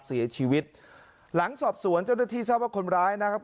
เสียชีวิตหลังสอบสวนเจ้าหน้าที่ทราบว่าคนร้ายนะครับ